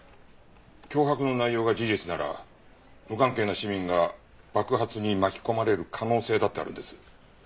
脅迫の内容が事実なら無関係な市民が爆発に巻き込まれる可能性だってあるんです。